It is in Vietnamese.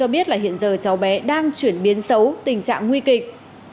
bạn giờ cháu bé đang chuyển biến xấu tình trạng nguy kịch